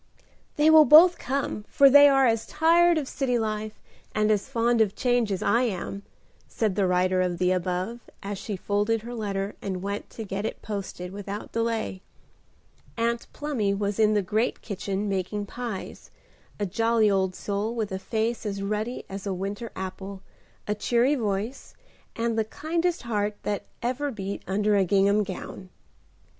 "They will both come, for they are as tired of city life and as fond of change as I am," said the writer of the above, as she folded her letter and went to get it posted without delay. Aunt Plumy was in the great kitchen making pies; a jolly old soul, with a face as ruddy as a winter apple, a cheery voice, and the kindest heart that ever beat under a gingham gown.